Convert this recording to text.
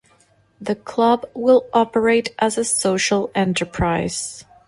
The club will operate as a Social enterprise.